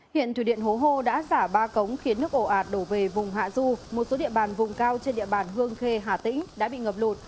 hiện thủy điện hố hô đã xả ba cống khiến nước ồ ạt đổ về vùng hạ du một số địa bàn vùng cao trên địa bàn hương khê hà tĩnh đã bị ngập lụt